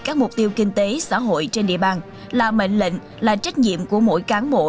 các mục tiêu kinh tế xã hội trên địa bàn là mệnh lệnh là trách nhiệm của mỗi cán bộ